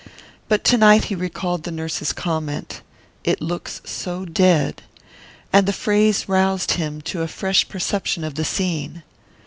But to night he recalled the nurse's comment "it looks so dead" and the phrase roused him to a fresh perception of the scene.